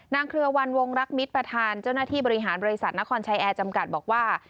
เครือวันวงรักมิตรประธานเจ้าหน้าที่บริหารบริษัทนครชัยแอร์จำกัดบอกว่า